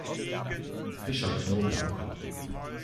Frischer Knoblauch.